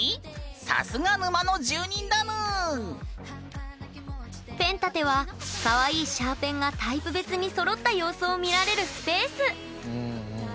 さすが沼の住人だぬんペン立てはかわいいシャーペンがタイプ別にそろった様子を見られるスペース！